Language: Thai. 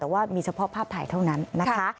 แต่ว่ามีเฉพาะภาพถ่ายเท่านั้นนะคะ